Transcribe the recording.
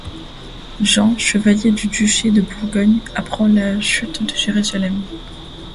Jean, chevalier du duché de Bourgogne, apprend la chute de Jérusalem.